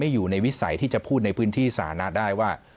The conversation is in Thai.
อยู่ในวิสัยที่จะพูดในพื้นที่สาธารณะได้ว่า